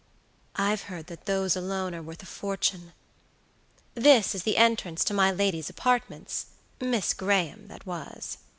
"I've heard that those alone are worth a fortune. This is the entrance to my lady's apartments, Miss Graham that was."